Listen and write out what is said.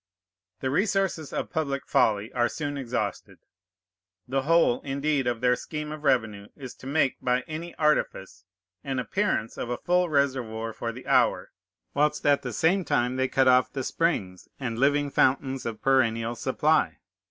The resources of public folly are soon exhausted. The whole, indeed, of their scheme of revenue is to make, by any artifice, an appearance of a full reservoir for the hour, whilst at the same time they cut off the springs and living fountains of perennial supply.